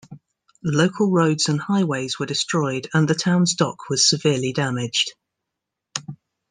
Local roads and highways were destroyed and the town's dock was severely damaged.